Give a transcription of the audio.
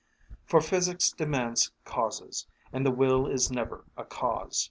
For physics demands causes, and the will is never a cause.